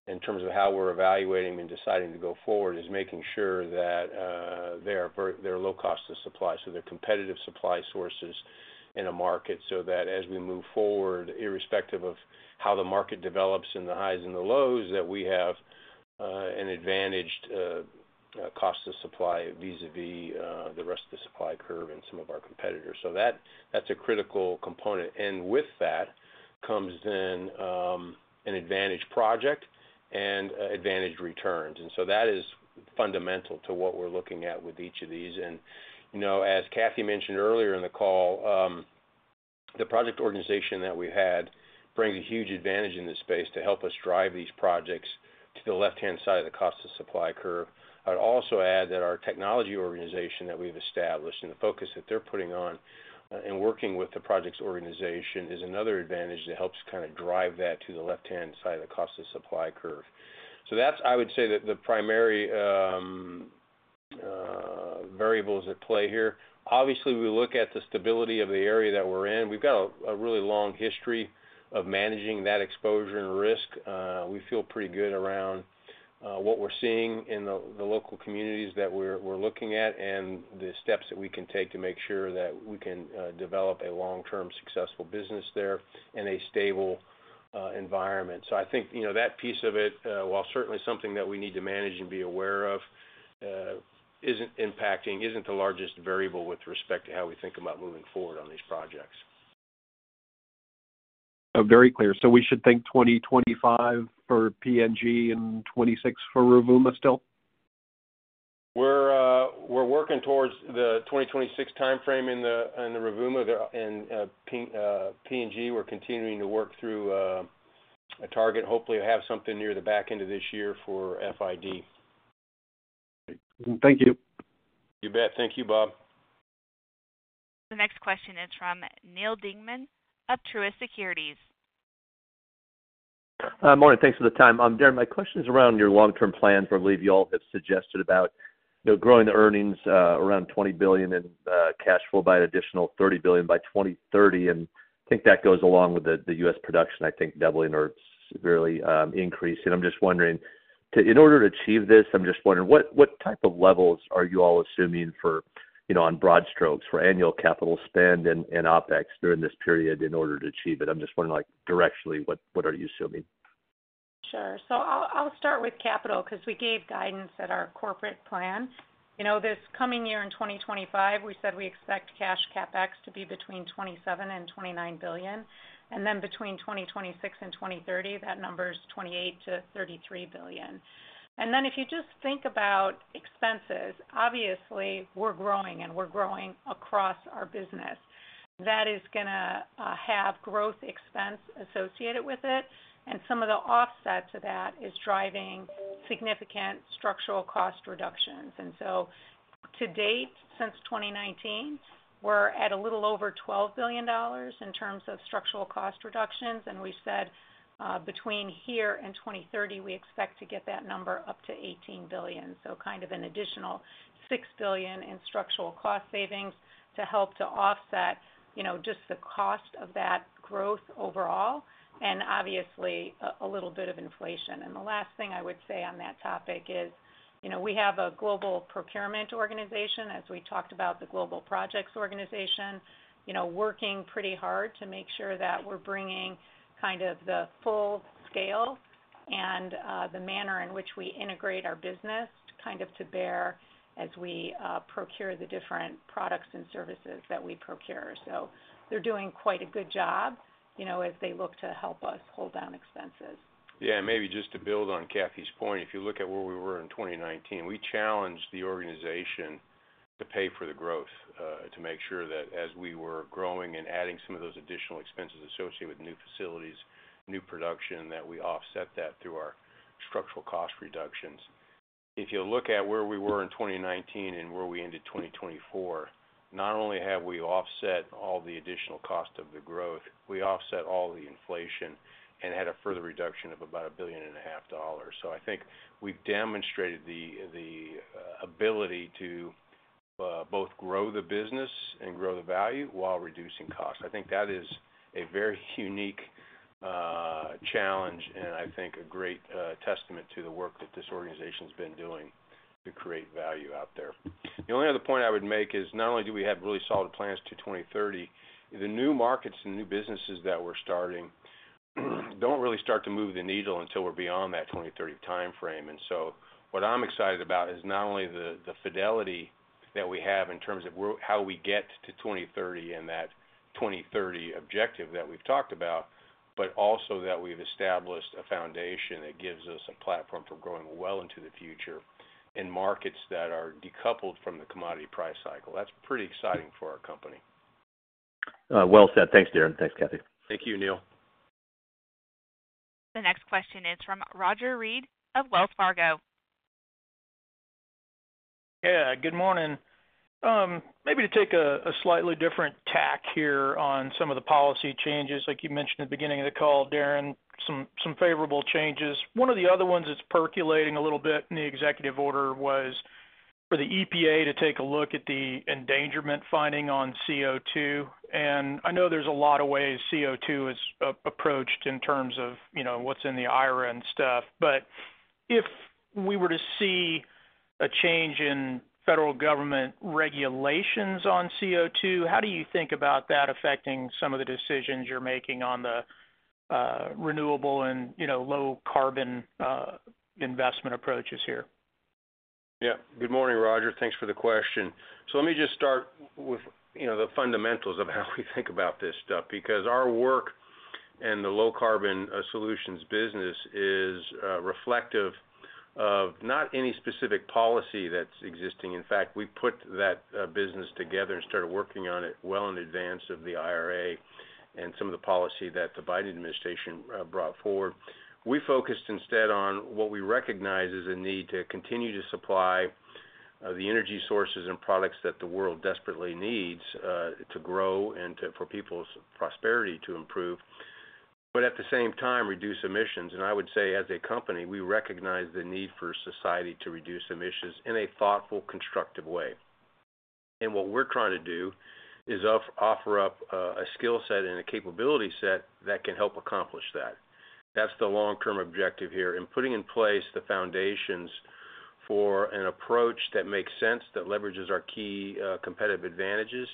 in terms of how we're evaluating and deciding to go forward is making sure that they're low cost of supply. So they're competitive supply sources in a market so that as we move forward, irrespective of how the market develops in the highs and the lows, that we have an advantaged cost of supply vis-à-vis the rest of the supply curve and some of our competitors. So that's a critical component. And with that comes then an advantaged project and advantaged returns. And so that is fundamental to what we're looking at with each of these. And as Kathy mentioned earlier in the call, the project organization that we've had brings a huge advantage in this space to help us drive these projects to the left-hand side of the cost of supply curve. I'd also add that our technology organization that we've established and the focus that they're putting on and working with the project's organization is another advantage that helps kind of drive that to the left-hand side of the cost of supply curve. So that's, I would say, the primary variables at play here. Obviously, we look at the stability of the area that we're in. We've got a really long history of managing that exposure and risk. We feel pretty good around what we're seeing in the local communities that we're looking at and the steps that we can take to make sure that we can develop a long-term successful business there in a stable environment. So I think that piece of it, while certainly something that we need to manage and be aware of, isn't impacting, isn't the largest variable with respect to how we think about moving forward on these projects. Very clear, so we should think 2025 for PNG and 2026 for Rovuma still? We're working towards the 2026 timeframe in the Rovuma and PNG. We're continuing to work through a target, hopefully have something near the back end of this year for FID. Great. Thank you. You bet. Thank you, Bob. The next question is from Neal Dingmann of Truist Securities. Morning. Thanks for the time. Darren, my question is around your long-term plans where I believe you all have suggested about growing the earnings around $20 billion and cash flow by an additional $30 billion by 2030, and I think that goes along with the U.S. production, I think, doubling or severely increasing. I'm just wondering, in order to achieve this, I'm just wondering, what type of levels are you all assuming on broad strokes for annual capital spend and OpEx during this period in order to achieve it? I'm just wondering directionally, what are you assuming? Sure, so I'll start with capital because we gave guidance at our corporate plan this coming year in 2025. We said we expect cash CapEx to be between $27 and $29 billion, and then between 2026 and 2030 that number is $28 billion-$33 billion, and then if you just think about expenses, obviously we're growing and we're growing across our business. That is going to have growth expense associated with it, and some of the offset to that is driving significant structural cost reductions, and so to date since 2019 we're at a little over $12 billion in terms of structural cost reductions. And we said between here and 2030 we expect to get that number up to $18 billion, so kind of an additional $6 billion in structural cost savings to help to offset just the cost of that growth overall and obviously a little bit of inflation. And the last thing I would say on that topic is we have a Global Procurement organization, as we talked about, the Global Projects organization, working pretty hard to make sure that we're bringing kind of the full scale and the manner in which we integrate our business kind of to bear as we procure the different products and services that we procure. So they're doing quite a good job as they look to help us hold down expenses. Yeah. And maybe just to build on Kathy's point, if you look at where we were in 2019, we challenged the organization to pay for the growth to make sure that as we were growing and adding some of those additional expenses associated with new facilities, new production, that we offset that through our structural cost reductions. If you look at where we were in 2019 and where we ended 2024, not only have we offset all the additional cost of the growth, we offset all the inflation and had a further reduction of about $1.5 billion. So I think we've demonstrated the ability to both grow the business and grow the value while reducing costs. I think that is a very unique challenge and I think a great testament to the work that this organization has been doing to create value out there. The only other point I would make is not only do we have really solid plans to 2030. The new markets and new businesses that we're starting don't really start to move the needle until we're beyond that 2030 timeframe, and so what I'm excited about is not only the fidelity that we have in terms of how we get to 2030 and that 2030 objective that we've talked about, but also that we've established a foundation that gives us a platform for growing well into the future in markets that are decoupled from the commodity price cycle. That's pretty exciting for our company. Well said. Thanks, Darren. Thanks, Kathy. Thank you, Neal. The next question is from Roger Read of Wells Fargo. Hey, good morning. Maybe to take a slightly different tack here on some of the policy changes, like you mentioned at the beginning of the call, Darren, some favorable changes. One of the other ones that's percolating a little bit in the executive order was for the EPA to take a look at the endangerment finding on CO2. And I know there's a lot of ways CO2 is approached in terms of what's in the IRA and stuff. But if we were to see a change in federal government regulations on CO2, how do you think about that affecting some of the decisions you're making on the renewable and low-carbon investment approaches here? Yeah. Good morning, Roger. Thanks for the question. So let me just start with the fundamentals of how we think about this stuff because our work and the Low Carbon Solutions business is reflective of not any specific policy that's existing. In fact, we put that business together and started working on it well in advance of the IRA and some of the policy that the Biden administration brought forward. We focused instead on what we recognize as a need to continue to supply the energy sources and products that the world desperately needs to grow and for people's prosperity to improve, but at the same time, reduce emissions. And I would say, as a company, we recognize the need for society to reduce emissions in a thoughtful, constructive way. And what we're trying to do is offer up a skill set and a capability set that can help accomplish that. That's the long-term objective here, and putting in place the foundations for an approach that makes sense, that leverages our key competitive advantages,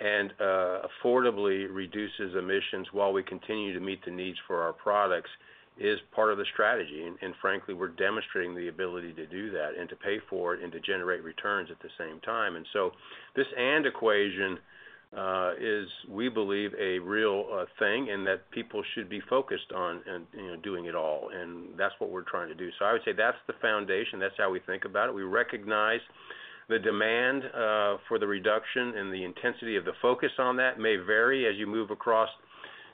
and affordably reduces emissions while we continue to meet the needs for our products is part of the strategy, and frankly, we're demonstrating the ability to do that and to pay for it and to generate returns at the same time, and so this end equation is, we believe, a real thing and that people should be focused on doing it all, and that's what we're trying to do, so I would say that's the foundation. That's how we think about it. We recognize the demand for the reduction and the intensity of the focus on that may vary as you move across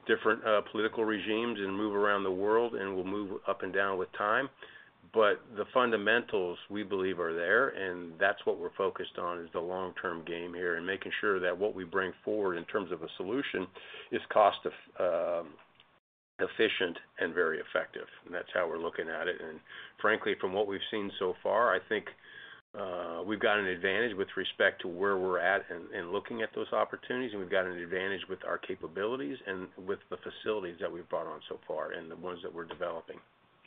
different political regimes and move around the world and will move up and down with time, but the fundamentals, we believe, are there. That's what we're focused on is the long-term game here and making sure that what we bring forward in terms of a solution is cost-efficient and very effective. That's how we're looking at it. Frankly, from what we've seen so far, I think we've got an advantage with respect to where we're at in looking at those opportunities. We've got an advantage with our capabilities and with the facilities that we've brought on so far and the ones that we're developing.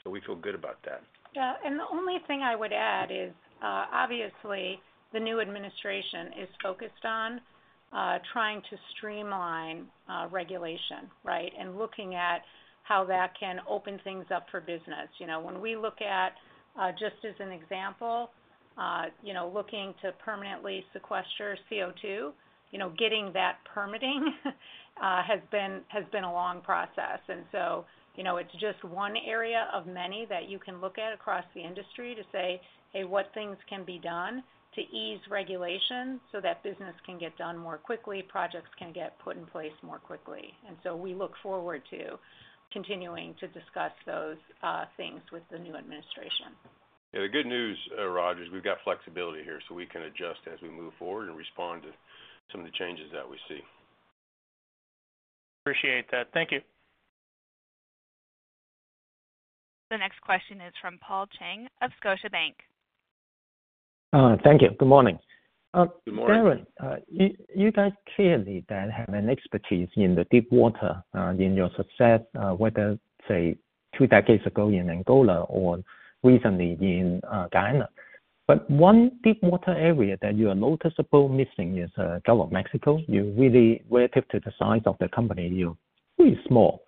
We feel good about that. Yeah. And the only thing I would add is, obviously, the new administration is focused on trying to streamline regulation, right, and looking at how that can open things up for business. When we look at, just as an example, looking to permanently sequester CO2, getting that permitting has been a long process. And so it's just one area of many that you can look at across the industry to say, "Hey, what things can be done to ease regulation so that business can get done more quickly, projects can get put in place more quickly?" And so we look forward to continuing to discuss those things with the new administration. Yeah. The good news, Roger, is we've got flexibility here. So we can adjust as we move forward and respond to some of the changes that we see. Appreciate that. Thank you. The next question is from Paul Cheng of Scotiabank. Thank you. Good morning. Good morning. Darren, you guys clearly have an expertise in the deepwater in your success, whether, say, two decades ago in Angola or recently in Guyana. But one deepwater area that you are noticeably missing is the Gulf of Mexico. You really, relative to the size of the company, you're pretty small.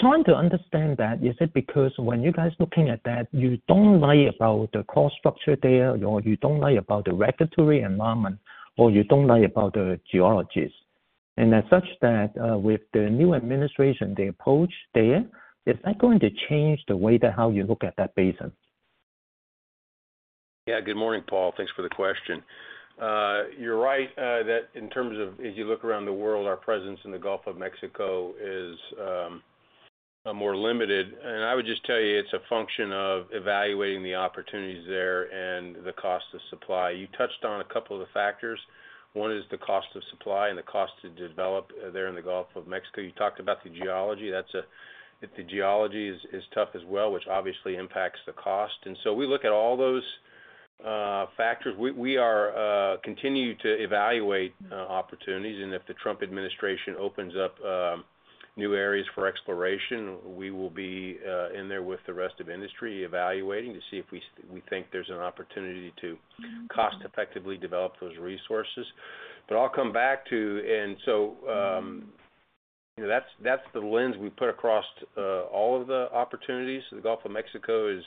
Trying to understand that, is it because when you guys are looking at that, you don't know about the cost structure there or you don't know about the regulatory environment or you don't know about the geologies? And as such that, with the new administration, the approach there, is that going to change the way that how you look at that basin? Yeah. Good morning, Paul. Thanks for the question. You're right that in terms of, as you look around the world, our presence in the Gulf of Mexico is more limited, and I would just tell you it's a function of evaluating the opportunities there and the cost of supply. You touched on a couple of the factors. One is the cost of supply and the cost to develop there in the Gulf of Mexico. You talked about the geology. The geology is tough as well, which obviously impacts the cost, and so we look at all those factors. We continue to evaluate opportunities, and if the Trump administration opens up new areas for exploration, we will be in there with the rest of industry evaluating to see if we think there's an opportunity to cost-effectively develop those resources. But I'll come back to, and so that's the lens we put across all of the opportunities. The Gulf of Mexico is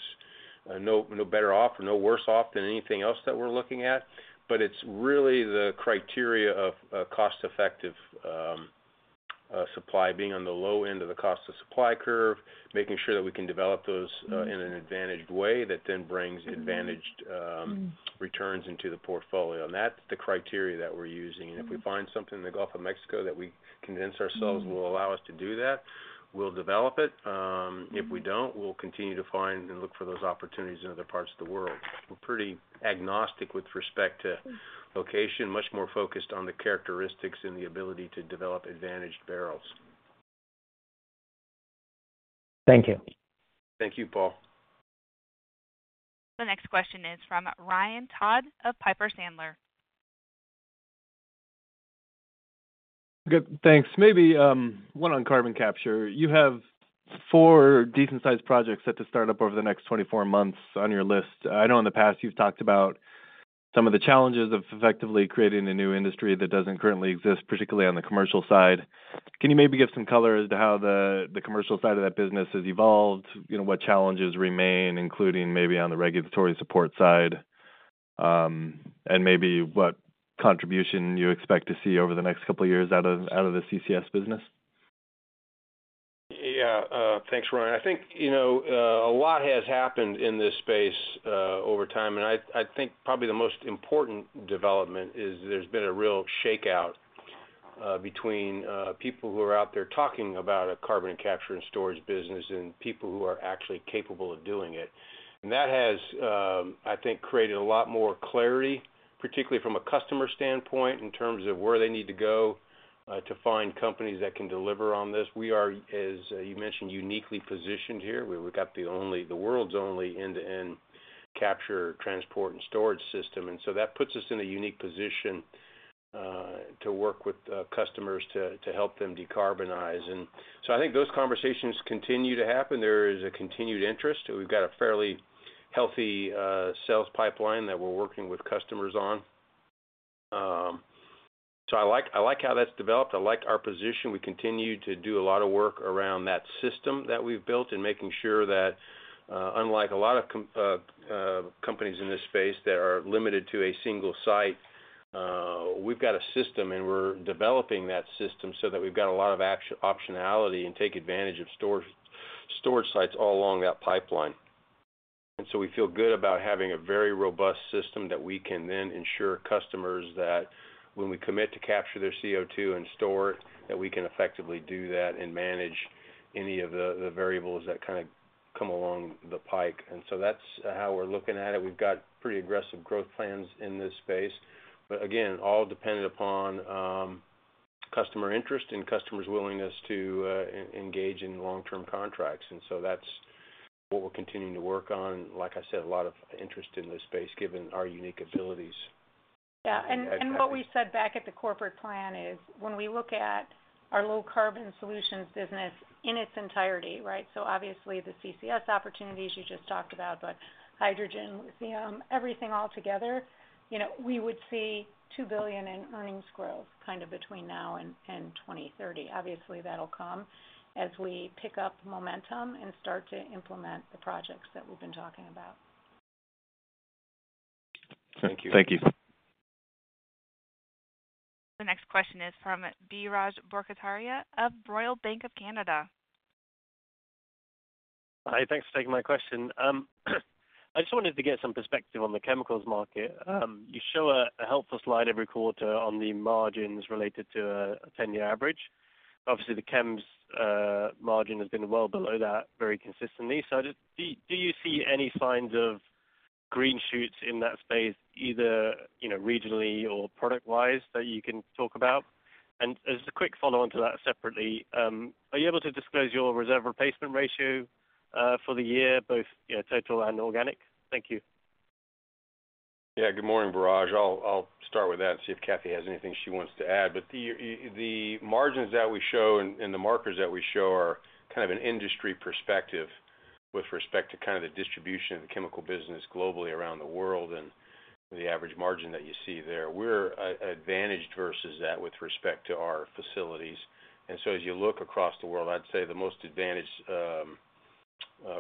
no better off or no worse off than anything else that we're looking at. But it's really the criteria of cost-effective supply being on the low end of the cost of supply curve, making sure that we can develop those in an advantaged way that then brings advantaged returns into the portfolio. And that's the criteria that we're using. And if we find something in the Gulf of Mexico that we convince ourselves will allow us to do that, we'll develop it. If we don't, we'll continue to find and look for those opportunities in other parts of the world. We're pretty agnostic with respect to location, much more focused on the characteristics and the ability to develop advantaged barrels. Thank you. Thank you, Paul. The next question is from Ryan Todd of Piper Sandler. Good. Thanks. Maybe one on carbon capture. You have four decent-sized projects set to start up over the next 24 months on your list. I know in the past you've talked about some of the challenges of effectively creating a new industry that doesn't currently exist, particularly on the commercial side. Can you maybe give some color as to how the commercial side of that business has evolved? What challenges remain, including maybe on the regulatory support side, and maybe what contribution you expect to see over the next couple of years out of the CCS business? Yeah. Thanks, Ryan. I think a lot has happened in this space over time. And I think probably the most important development is there's been a real shakeout between people who are out there talking about a carbon capture and storage business and people who are actually capable of doing it. And that has, I think, created a lot more clarity, particularly from a customer standpoint in terms of where they need to go to find companies that can deliver on this. We are, as you mentioned, uniquely positioned here. We've got the world's only end-to-end capture transport and storage system. And so that puts us in a unique position to work with customers to help them decarbonize. And so I think those conversations continue to happen. There is a continued interest. We've got a fairly healthy sales pipeline that we're working with customers on. So I like how that's developed. I like our position. We continue to do a lot of work around that system that we've built and making sure that, unlike a lot of companies in this space that are limited to a single site, we've got a system and we're developing that system so that we've got a lot of optionality and take advantage of storage sites all along that pipeline, and so we feel good about having a very robust system that we can then ensure customers that when we commit to capture their CO2 and store it, that we can effectively do that and manage any of the variables that kind of come along the pike, and so that's how we're looking at it. We've got pretty aggressive growth plans in this space, but again, all dependent upon customer interest and customer's willingness to engage in long-term contracts. That's what we're continuing to work on. Like I said, a lot of interest in this space given our unique abilities. Yeah. And what we said back at the corporate plan is when we look at our Low Carbon Solutions business in its entirety, right? So obviously, the CCS opportunities you just talked about, but hydrogen, lithium, everything altogether, we would see $2 billion in earnings growth kind of between now and 2030. Obviously, that'll come as we pick up momentum and start to implement the projects that we've been talking about. Thank you. Thank you. The next question is from Biraj Borkhataria of Royal Bank of Canada. Hi. Thanks for taking my question. I just wanted to get some perspective on the chemicals market. You show a helpful slide every quarter on the margins related to a 10-year average. Obviously, the chems margin has been well below that very consistently. So do you see any signs of green shoots in that space, either regionally or product-wise, that you can talk about? And as a quick follow-on to that separately, are you able to disclose your reserve replacement ratio for the year, both total and organic? Thank you. Yeah. Good morning, Biraj. I'll start with that and see if Kathy has anything she wants to add. But the margins that we show and the markets that we show are kind of an industry perspective with respect to kind of the distribution of the chemical business globally around the world and the average margin that you see there. We're advantaged versus that with respect to our facilities. And so as you look across the world, I'd say the most advantaged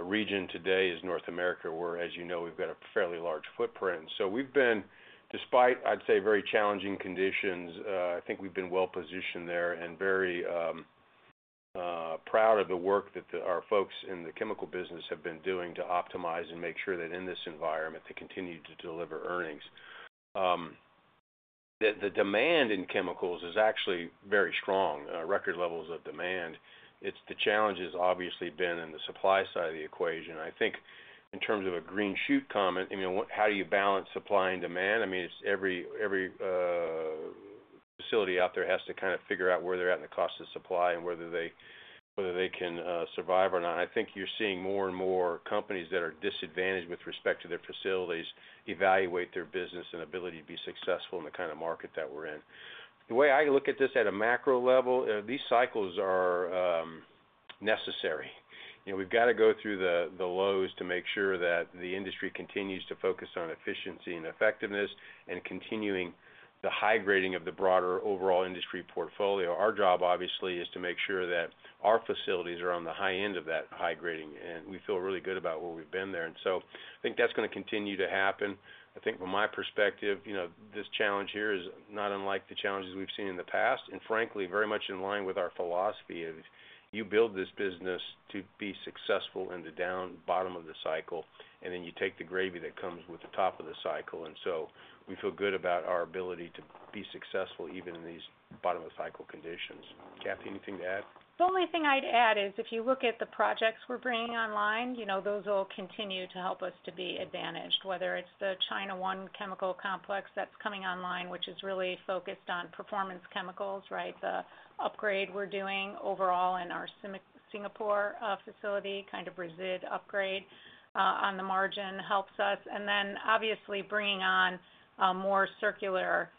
region today is North America, where, as you know, we've got a fairly large footprint. And so we've been, despite, I'd say, very challenging conditions, I think we've been well-positioned there and very proud of the work that our folks in the chemical business have been doing to optimize and make sure that in this environment, they continue to deliver earnings. The demand in chemicals is actually very strong, record levels of demand. It's the challenges obviously been in the supply side of the equation. I think in terms of a green shoot comment, how do you balance supply and demand? I mean, every facility out there has to kind of figure out where they're at in the cost of supply and whether they can survive or not. I think you're seeing more and more companies that are disadvantaged with respect to their facilities evaluate their business and ability to be successful in the kind of market that we're in. The way I look at this at a macro level, these cycles are necessary. We've got to go through the lows to make sure that the industry continues to focus on efficiency and effectiveness and continuing the high grading of the broader overall industry portfolio. Our job, obviously, is to make sure that our facilities are on the high end of that high grading, and we feel really good about where we've been there. And so I think that's going to continue to happen. I think from my perspective, this challenge here is not unlike the challenges we've seen in the past, and frankly, very much in line with our philosophy of you build this business to be successful in the down bottom of the cycle, and then you take the gravy that comes with the top of the cycle. And so we feel good about our ability to be successful even in these bottom-of-cycle conditions. Kathy, anything to add? The only thing I'd add is if you look at the projects we're bringing online, those will continue to help us to be advantaged, whether it's the China 1 chemical complex that's coming online, which is really focused on performance chemicals, right? The upgrade we're doing overall in our Singapore facility, kind of residue upgrade on the margin helps us. And then, obviously, bringing on more circular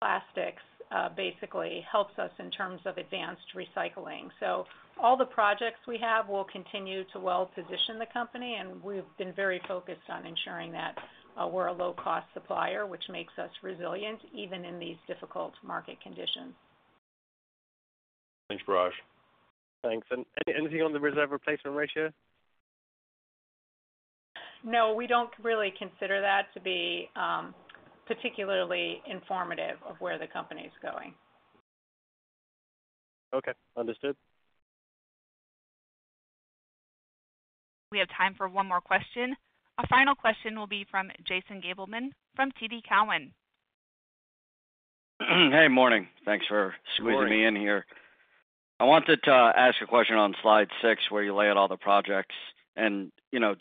plastics basically helps us in terms of advanced recycling. So all the projects we have will continue to well-position the company. And we've been very focused on ensuring that we're a low-cost supplier, which makes us resilient even in these difficult market conditions. Thanks, Biraj. Thanks. And anything on the reserve replacement ratio? No, we don't really consider that to be particularly informative of where the company is going. Okay. Understood. We have time for one more question. Our final question will be from Jason Gabelman from TD Cowen. Hey, morning. Thanks for squeezing me in here. I wanted to ask a question on slide six where you lay out all the projects. And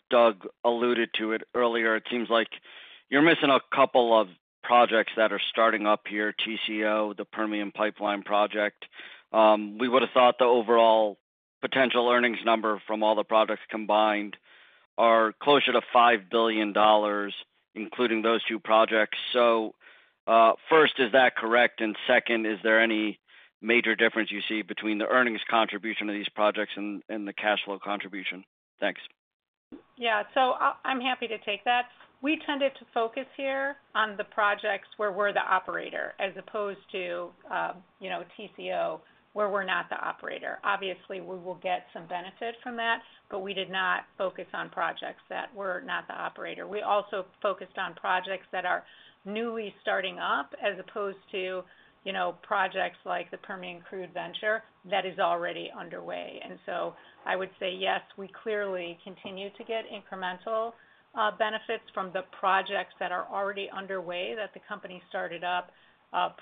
Doug alluded to it earlier. It seems like you're missing a couple of projects that are starting up here, TCO, the Permian Pipeline Project. We would have thought the overall potential earnings number from all the projects combined are closer to $5 billion, including those two projects. So first, is that correct? And second, is there any major difference you see between the earnings contribution of these projects and the cash flow contribution? Thanks. Yeah. So I'm happy to take that. We tended to focus here on the projects where we're the operator as opposed to TCO where we're not the operator. Obviously, we will get some benefit from that, but we did not focus on projects that were not the operator. We also focused on projects that are newly starting up as opposed to projects like the Permian Crude Venture that is already underway. And so I would say, yes, we clearly continue to get incremental benefits from the projects that are already underway that the company started up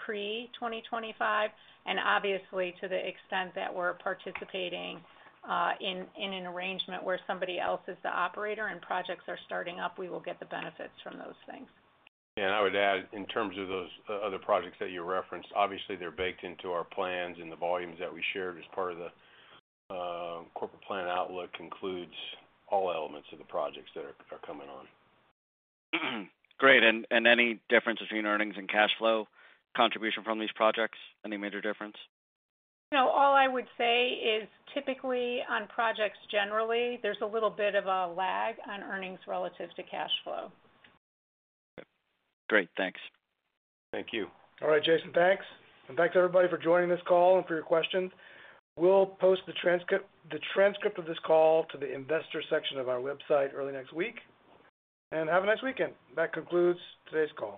pre-2025. And obviously, to the extent that we're participating in an arrangement where somebody else is the operator and projects are starting up, we will get the benefits from those things. Yeah, and I would add, in terms of those other projects that you referenced, obviously, they're baked into our plans and the volumes that we shared as part of the corporate plan outlook includes all elements of the projects that are coming on. Great. And any difference between earnings and cash flow contribution from these projects? Any major difference? All I would say is typically on projects generally, there's a little bit of a lag on earnings relative to cash flow. Okay. Great. Thanks. Thank you. All right, Jason. Thanks. And thanks, everybody, for joining this call and for your questions. We'll post the transcript of this call to the investor section of our website early next week. And have a nice weekend. That concludes today's call.